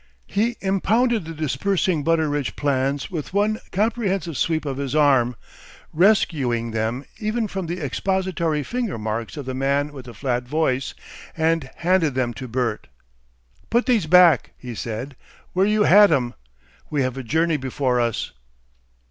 He impounded the dispersing Butteridge plans with one comprehensive sweep of his arm, rescuing them even from the expository finger marks of the man with the flat voice, and handed them to Bert. "Put those back," he said, "where you had 'em. We have a journey before us."